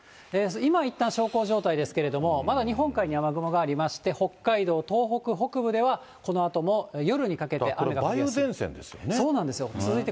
今いったん小康状態ですけれども、まだ日本海に雨雲がありまして、北海道、東北北部ではこのあとも夜にかけて雨が降りやすい。